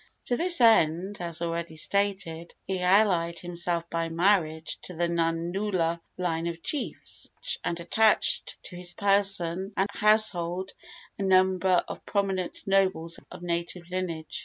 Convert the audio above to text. To this end, as already stated, he allied himself by marriage to the Nanaula line of chiefs, and attached to his person and household a number of prominent nobles of native lineage.